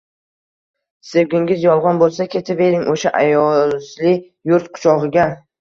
Sevgingiz yolg`on bo`lsa, ketavering o`sha ayozli yurt quchog`iga